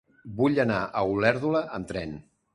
Vull anar a Olèrdola amb tren.